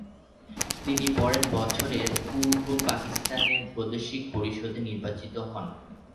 তিনি পরের বছরের পূর্ব পাকিস্তানের প্রাদেশিক পরিষদে নির্বাচিত হন।